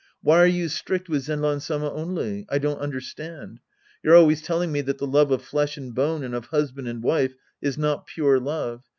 Why are you strict with Zenran Sama only? I don't understand. You're always telling me that the love of flesh and bone and of husband and wife is not pure love.